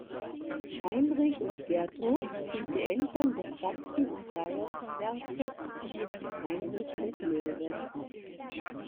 Heinrich und Gertrud sind die Eltern des Sachsen- und Bayernherzogs Heinrich des Löwen.